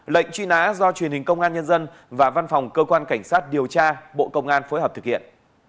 lệnh truy nã do truyền hình công an nhân dân và văn phòng cơ quan cảnh sát điều tra bộ công an phối hợp thực hiện